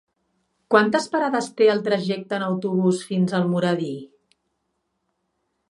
Quantes parades té el trajecte en autobús fins a Almoradí?